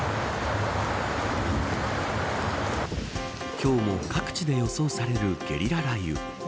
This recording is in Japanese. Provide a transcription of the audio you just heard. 今日も各地で予想されるゲリラ雷雨。